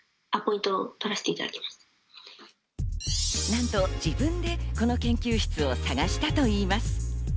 なんと自分でこの研究室を探したといいます。